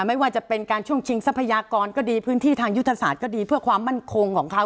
ไม่ว่าจะเป็นการช่วงชิงทรัพยากรก็ดีพื้นที่ทางยุทธศาสตร์ก็ดีเพื่อความมั่นคงของเขา